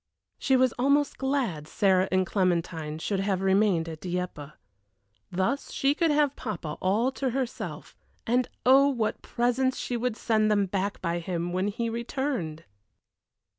She was almost glad Sarah and Clementine should have remained at Dieppe. Thus she could have papa all to herself, and oh, what presents she would send them back by him when he returned!